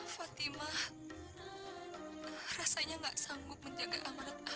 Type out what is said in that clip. fatima rasanya tidak sanggup menjaga amat abi sama ayah